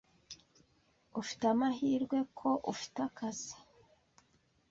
Ufite amahirwe ko ufite akazi.